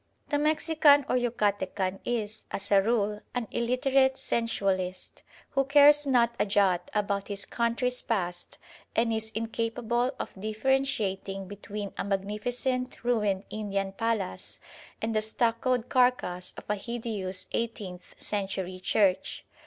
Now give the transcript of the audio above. The Mexican or Yucatecan is, as a rule, an illiterate sensualist, who cares not a jot about his country's past and is incapable of differentiating between a magnificent ruined Indian palace and the stuccoed carcass of a hideous eighteenth century church.